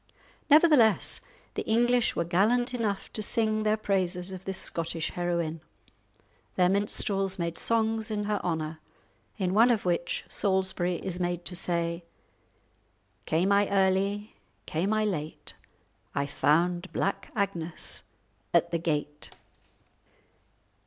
Nevertheless, the English were gallant enough to sing their praises of this Scottish heroine; their minstrels made songs in her honour, in one of which Salisbury is made to say:— "Came I early, came I late, I found Black Agnes at the gate."